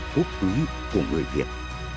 phúc úy của người việt